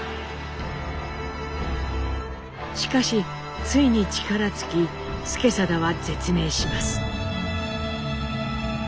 しかしついに力尽き資定は絶命します。